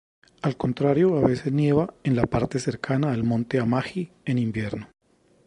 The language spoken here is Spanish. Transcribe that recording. Al contrario a veces nieva en la parte cercana al monte Amagi en invierno.